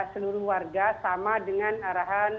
seluruh warga sama dengan arahan